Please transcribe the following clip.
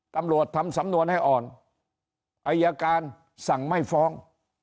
ตำรวจทำสำนวนให้อ่อนอายการสั่งไม่ฟ้อง